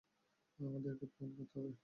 আমাদের একটা প্ল্যান করতে হবে।